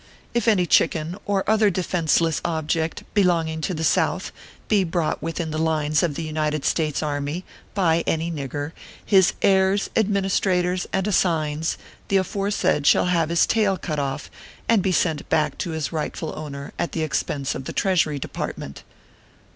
If any chicken or other defenceless object belong ing to the South, be brought within the lines of the United States Army, by any nigger, his heirs, administrators, and assigns, the afore said shall have his tail cut off, and be sent back to his rightful owner at the expense of the Treasury Department.